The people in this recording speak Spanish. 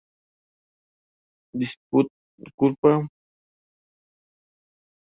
Al principio, es catalogado como judío.